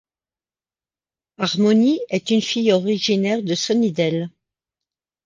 Harmony est une fille originaire de Sunnydale.